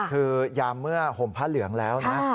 คือยามเมื่อห่มผ้าเหลืองแล้วนะ